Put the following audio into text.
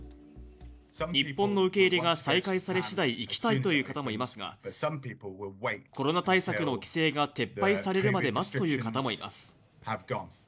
日本の受け入れが再開されしだい行きたいという方もいますが、コロナ対策の規制が撤廃されるまで待つという方もいます。